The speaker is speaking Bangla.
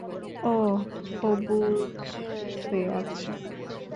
ওহ, ও বুঝছে, আচ্ছা।